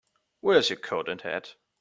Where's your coat and hat?